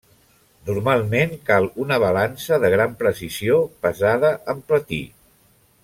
Normalment cal una balança de gran precisió pesada amb platí.